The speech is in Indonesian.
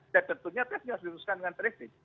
dan tentunya tes harus diluluskan dengan terisi